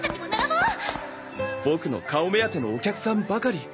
ボクの顔目当てのお客さんばかり。